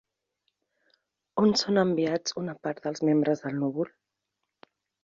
On són enviats una part dels membres del núvol?